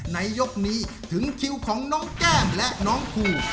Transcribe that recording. ในยกนี้ถึงคิวของน้องแก้มและน้องภู